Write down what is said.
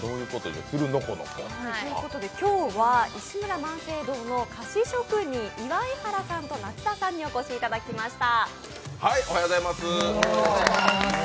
今日は石村萬盛堂の菓子職人、祝原さんと夏田さんにお越しいただきました。